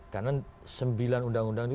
karena sembilan undang undang ini